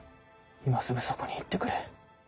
今すぐそこに行ってくれ。